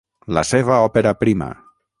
La seva òpera prima.